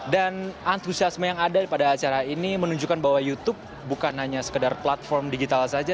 dan antusiasme yang ada pada acara ini menunjukkan bahwa youtube bukan hanya sekedar platform digital saja